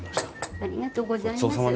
ありがとうございます。